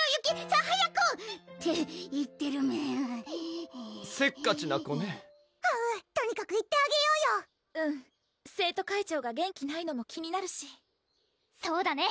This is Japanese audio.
「さぁ早く！」って言ってるメンせっかちな子ねはうとにかく行ってあげようようん生徒会長が元気ないのも気になるしそうだね！